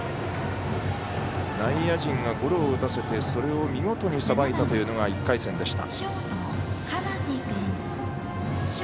内野陣がゴロを打たせてそれを見事にさばいたというのが１回戦でした。